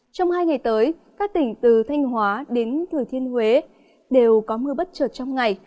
trong hai ngày tới các tỉnh từ thanh hóa đến thừa thiên huế đều có mưa bất trợt trong ngày